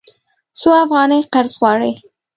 څو افغانۍ قرض غواړې؟